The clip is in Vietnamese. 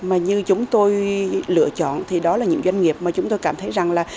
mà như chúng tôi lựa chọn thì đó là những doanh nghiệp mà chúng tôi cảm thấy rằng là